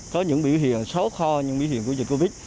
có những biểu hiện xấu kho những biểu hiện của dịch covid